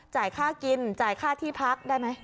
จ่ายค่ากินจ่ายค่าที่พักได้ไหม